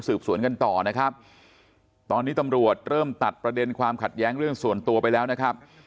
สวนกันต่อนะครับตอนนี้ตำรวจเริ่มตัดประเด็นความขัดแย้งเรื่องส่วนตัวไปแล้วนะครับ